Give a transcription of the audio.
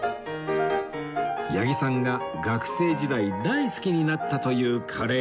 八木さんが学生時代大好きになったというカレー